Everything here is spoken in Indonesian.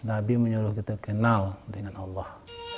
nabi menyuruh kita kenal dengan allah